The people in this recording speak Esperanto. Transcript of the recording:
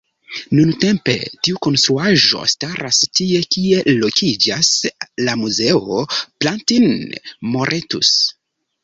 Nuntempe, tiu konstruaĵo staras tie kie lokiĝas la Muzeo Plantin-Moretus.